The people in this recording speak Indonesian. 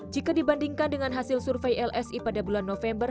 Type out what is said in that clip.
jika dibandingkan dengan hasil survei lsi pada bulan november